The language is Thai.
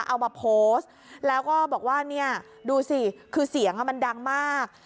เอามาโพสต์แล้วก็บอกว่าเนี่ยดูสิคือเสียงมันดังมาก